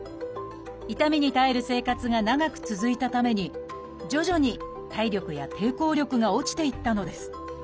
痛みに耐える生活が長く続いたために徐々に体力や抵抗力が落ちていったのです。